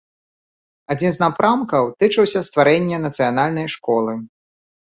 Адзін з напрамкаў тычыўся стварэння нацыянальнай школы.